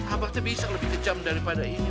abah tuh bisa lebih kejam daripada ini